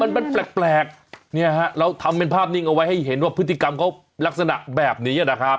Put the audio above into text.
มันแปลกเนี่ยฮะเราทำเป็นภาพนิ่งเอาไว้ให้เห็นว่าพฤติกรรมเขาลักษณะแบบนี้นะครับ